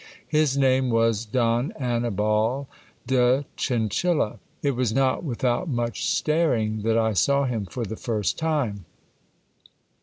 His name was Don Annibal de Chinchilla. It was not without much staring that I saw him for the first time.